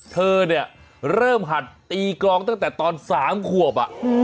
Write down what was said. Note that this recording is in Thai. เธอเนี่ยเริ่มหัดตีกรองตั้งแต่ตอน๓ขวบ